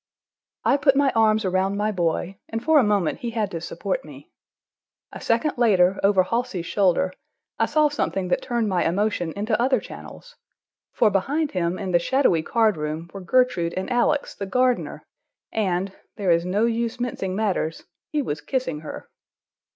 I put my arms around my boy, and for a moment he had to support me. A second later, over Halsey's shoulder, I saw something that turned my emotion into other channels, for, behind him, in the shadowy card room, were Gertrude and Alex, the gardener, and—there is no use mincing matters—he was kissing her!